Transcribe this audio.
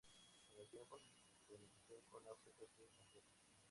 Con el tiempo, su conexión con África ha sido completa.